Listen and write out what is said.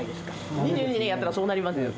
２２年やったらそうなります。